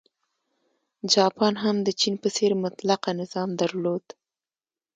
جاپان هم د چین په څېر مطلقه نظام درلود.